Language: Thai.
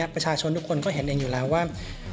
ประชาชนทุกคนก็เห็นเองอยู่แล้วว่า